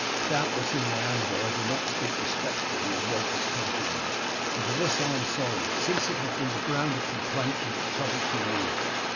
Doubtless, in my anger, I did not speak respectfully of Walter's countrymen, and for this I am sorry, since it has been the ground of complaint and of trouble to you."